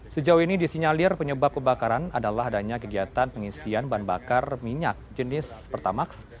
sejauh ini disinyalir penyebab kebakaran adalah adanya kegiatan pengisian bahan bakar minyak jenis pertamax